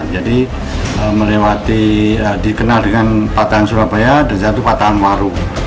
jadi dikenal dengan patahan surabaya dan satu patahan warung